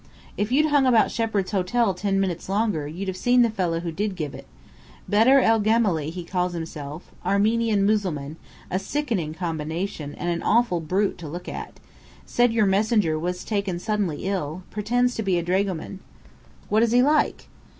"If you'd hung about Shepheard's Hotel ten minutes longer, you'd have seen the fellow who did give it. Bedr el Gemály he calls himself Armenian Mussulman, a sickening combination, and an awful brute to look at said your messenger was taken suddenly ill; pretends to be a dragoman." "What is he like?"